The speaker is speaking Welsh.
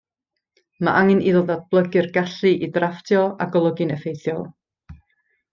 Mae angen iddo ddatblygu'r gallu i ddrafftio a golygu'n effeithiol